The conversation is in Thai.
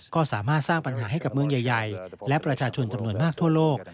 ก็สามารถสร้างปัญหาให้กับเมืองใหญ่และประชาชนจำนวนมากทั่วโลก